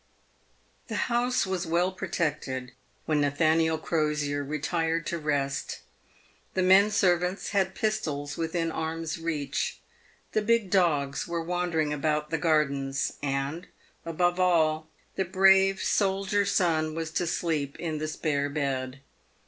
The house was well protected when Nathaniel Crosier retired to rest. The men servants had pistols within arms' reach ; the big dogs were wandering about the gardens ; and, above all, the brave soldier son was to sleep in the spare bed.